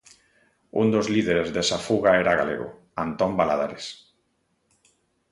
Un dos líderes desa fuga era galego, Antón Valadares.